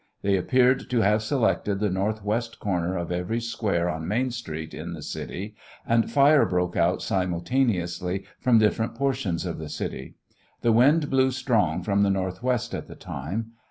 They appeared to have selected the northwest corner of every square on Main street, in the city, and fire broke out simultaneously from different portions of the city. The wind blew strong from the northwest at the time.